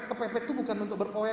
ke pp itu bukan untuk berpoya